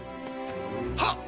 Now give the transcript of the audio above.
はっ！